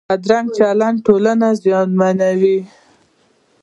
بدرنګه چلند ټولنه زیانمنوي